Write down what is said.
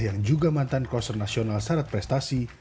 yang juga mantan konser nasional syarat prestasi